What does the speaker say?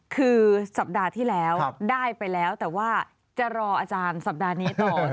คือสัปดาห์ที่แล้วได้ไปแล้วแต่ว่าจะรออาจารย์สัปดาห์นี้ต่อ